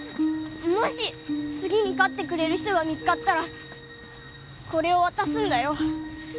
もし次に飼ってくれる人が見つかったらこれを渡すんだよ。